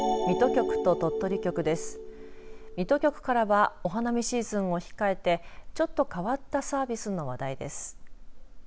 水戸局からはお花見シーズンを控えてちょっと変わったサービスの話題です。